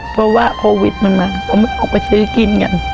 เพราะว่าโควิดมันมาก็มันออกไปซื้อกินกัน